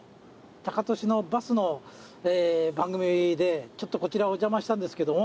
タカトシのバスの番組でちょっとこちらお邪魔したんですけども。